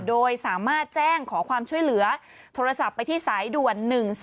โดยสามารถแจ้งขอความช่วยเหลือโทรศัพท์ไปที่สายด่วน๑๓